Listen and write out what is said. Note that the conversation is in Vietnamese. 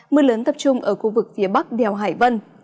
mưa lớn tập trung ở khu vực phía bắc đèo hải vân